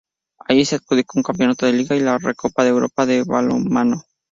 Allí se adjudicó un Campeonato de liga, y, la Recopa de Europa de balonmano.